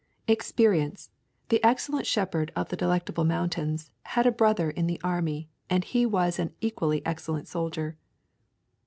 Experience, the excellent shepherd of the Delectable Mountains, had a brother in the army, and he was an equally excellent soldier.